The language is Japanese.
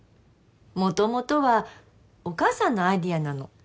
もともとはお母さんのアイデアなの。